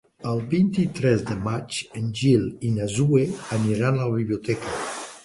El vint-i-tres de maig en Gil i na Zoè aniran a la biblioteca.